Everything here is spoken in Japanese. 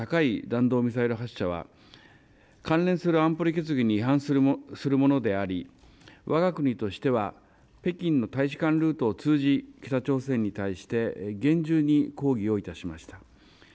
またこのような弾道ミサイル、発射は関連する安保理決議に違反するものでありわが国としては付近の大使館ルートを通じ北朝鮮に対し厳重に抗議をいたしました。